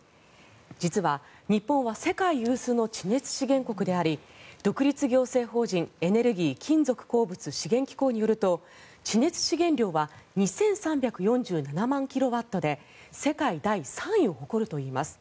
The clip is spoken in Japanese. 実は日本は世界有数の地熱資源国であり独立行政法人エネルギー・金属鉱物資源機構によると地熱資源量は２３４７万キロワットで世界第３位を誇るといいます。